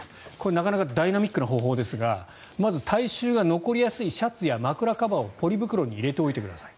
なかなかダイナミックな方法ですがまず体臭が残りやすいシャツや枕カバーをポリ袋に入れておいてください。